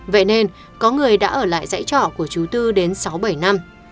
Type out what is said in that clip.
vậy nên có người đã ở lại dãy trọ của chú tư đến sáu bảy năm